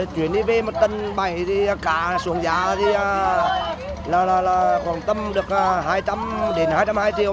chuyển đi về một tầng bảy thì cá xuống giá thì khoảng tầm được hai trăm linh đến hai trăm hai mươi triệu